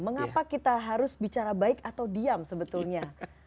mengapa kita harus bicara baik atau diam sebetulnya